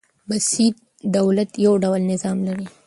بسیط دولت يو ډول نظام لري.